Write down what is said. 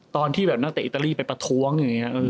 ตอนที่แบบนักเตะอิตาลีไปประท้วงอย่างนี้